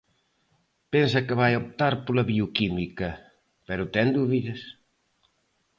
Pensa que vai optar pola Bioquímica, pero ten dúbidas.